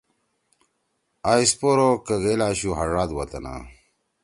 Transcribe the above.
آ اسپور او کگئی اشُو ہاڙاد وطنا